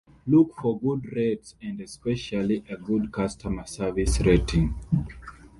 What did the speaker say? Look for good rates and especially a good customer service rating.